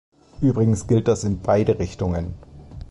Übrigens gilt das in beide Richtungen.